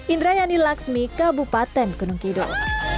indra yani laksmi kabupaten gunung kidul